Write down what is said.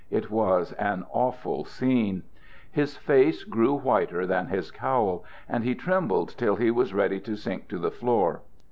It was an awful scene. His face grew whiter than his cowl, and he trembled till he was ready to sink to the floor.